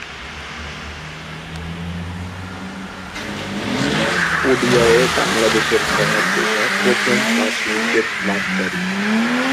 ওডিআইয়ে বাংলাদেশের ফরহাদ রেজা প্রথম পাঁচ উইকেট লাভকারী।